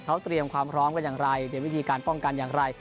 เขาเตรียมความพร้อมกันอย่างไรเตรียมวิธีการป้องกันอย่างไร